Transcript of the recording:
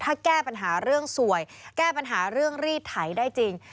ถ้าแก้ปัญหาเรื่องสวยแก้ปัญหาเรื่องรีดไถได้จริง